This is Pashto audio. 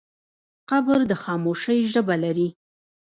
قبر د خاموشۍ ژبه لري.